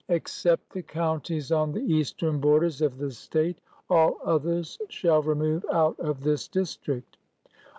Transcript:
except the counties on the eastern borders of the State. All others shall remove out of this district.